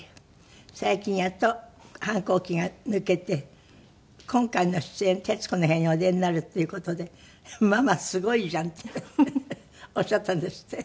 最近やっと反抗期が抜けて今回の出演『徹子の部屋』にお出になるという事で「ママすごいじゃん」っておっしゃったんですって？